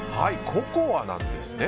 ココアなんですね